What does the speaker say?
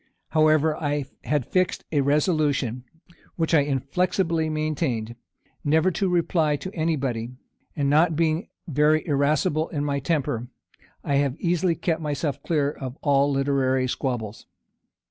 However, I had fixed a resolution, which I inflexibly maintained, never to reply to any body; and not being very irascible in my temper, I have easily kept myself clear of all literary squabbles.